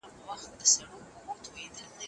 پایتون تر جاوا ژبې ډېر ساده ښکاري.